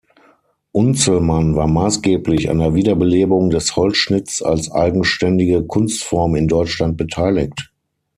Unzelmann war maßgeblich an der Wiederbelebung des Holzschnitts als eigenständige Kunstform in Deutschland beteiligt.